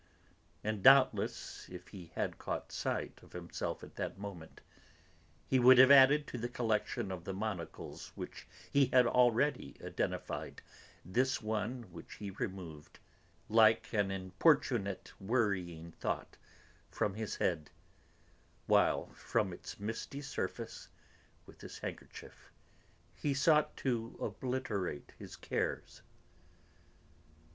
And doubtless, if he had caught sight of himself at that moment, he would have added to the collection of the monocles which he had already identified, this one which he removed, like an importunate, worrying thought, from his head, while from its misty surface, with his handkerchief, he sought to obliterate his cares.